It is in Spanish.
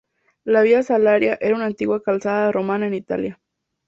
La Via Salaria era una antigua calzada romana en Italia.